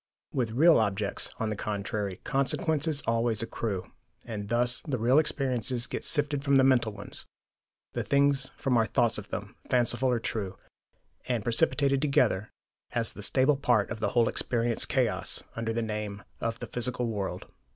With 'real' objects, on the contrary, consequences always accrue; and thus the real experiences get sifted from the mental ones, the things from our thoughts of them, fanciful or true, and precipitated together as the stable part of the whole experience chaos, under the name of the physical world."